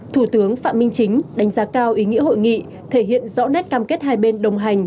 thủ tướng phạm minh chính đánh giá cao ý nghĩa hội nghị thể hiện rõ nét cam kết hai bên đồng hành